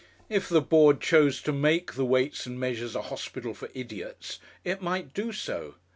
If the Board chose to make the Weights and Measures a hospital for idiots, it might do so.